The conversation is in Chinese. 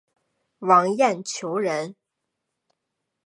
王晏球人。